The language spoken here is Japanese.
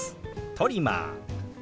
「トリマー」。